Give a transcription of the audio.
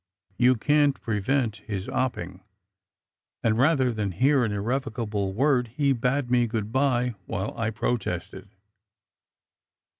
You can t prevent his opping, and rather than hear an irrevocable word he bade me good bye while I protested.